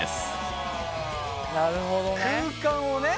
なるほどね。